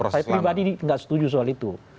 saya pribadi tidak setuju soal itu